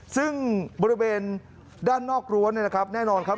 ซึ่งบริเวณด้านนอกล้วนแน่นอนครับ